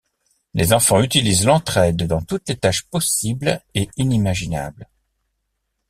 Les enfants utilisent l’entraide dans toutes les tâches possible et inimaginables.